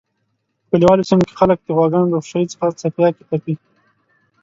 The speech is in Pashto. په کلیوالو سیمو کی خلک د غواګانو د خوشایی څخه څپیاکی تپی